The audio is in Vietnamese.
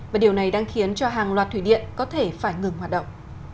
và điều này đang khiến cho hàng loạt thủy điện có thể phải ngừng hoạt động